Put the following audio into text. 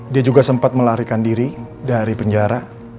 dia juga sempat melarikan diri dari penjara